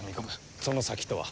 その先とは？